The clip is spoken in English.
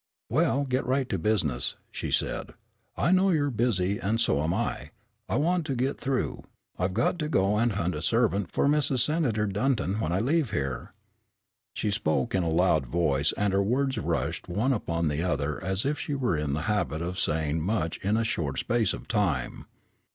"We'll get right to business," she said. "I know you're busy, and so am I, and I want to get through. I've got to go and hunt a servant for Mrs. Senator Dutton when I leave here." She spoke in a loud voice, and her words rushed one upon the other as if she were in the habit of saying much in a short space of time.